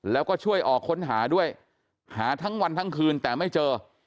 แล้วก็ช่วยออกค้นหาด้วยหาทั้งวันทั้งคืนแต่ไม่เจอ